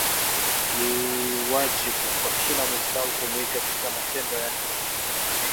Ni wajibu kwa kila Muislamu kumwiga katika matendo yake